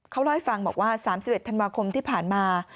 เขาเล่าให้ฟังบอกว่า๓๑ธันวาคมที่ผ่านมา